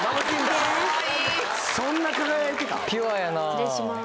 失礼します。